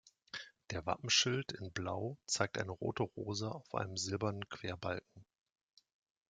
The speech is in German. Der Wappenschild in Blau zeigt eine rote Rose auf einem silbernen Querbalken.